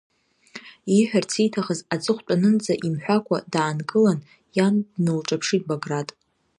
Ииҳәарц ииҭахыз аҵыхәтәанынӡа имҳәакәа даангылан, иан днылҿаԥшит Баграт.